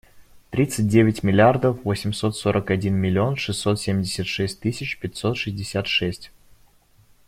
Тридцать девять миллиардов восемьсот сорок один миллион шестьсот семьдесят шесть тысяч пятьсот шестьдесят шесть.